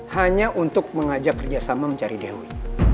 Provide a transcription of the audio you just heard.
hanya untuk mengajak kerjasama mencari dewi